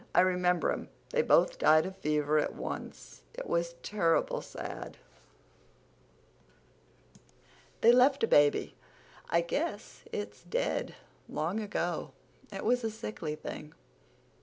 I remember 'em. They both died of fever at onct. It was turrible sad. They left a baby. I guess it's dead long ago. It was a sickly thing.